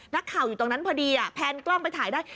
นักข่าวอยู่ตรงนั้นพอดีแพนกล้องไปถ่ายได้